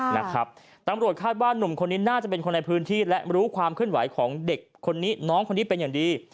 นะครับตำรวจคาดว่านุ่มคนนี้น่าจะเป็นคนในพื้นที่และรู้ความเคลื่อนไหวของเด็กคนนี้น้องคนนี้เป็นอย่างดี